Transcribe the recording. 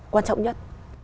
quan trọng nhất